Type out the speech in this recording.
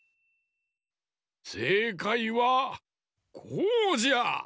せいかいはこうじゃ！